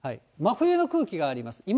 真冬の空気があります。